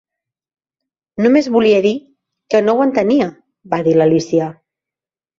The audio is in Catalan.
"Només volia dir que no ho entenia", va dir l'Alícia.